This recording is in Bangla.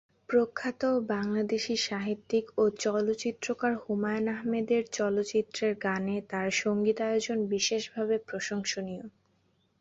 প্রখ্যাত বাংলাদেশী সাহিত্যিক ও চলচ্চিত্রকার হুমায়ূন আহমেদের চলচ্চিত্রের গানে তার সঙ্গীতায়োজন বিশেষভাবে প্রশংসনীয়।